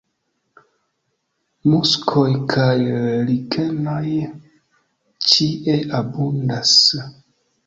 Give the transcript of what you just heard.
Muskoj kaj likenoj ĉie abundas.